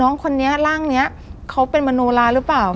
น้องคนนี้ร่างนี้เขาเป็นมโนราหรือเปล่า